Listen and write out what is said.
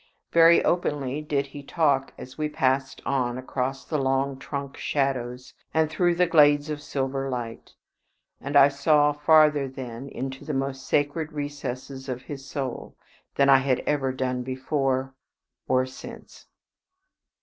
Very openly did he talk as we passed on across the long trunk shadows and through the glades of silver light; and I saw farther then into the most sacred recesses of his soul than I have ever done before or since.